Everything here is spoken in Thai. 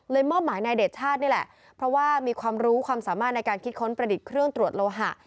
มอบหมายนายเดชชาตินี่แหละเพราะว่ามีความรู้ความสามารถในการคิดค้นประดิษฐ์เครื่องตรวจโลหะ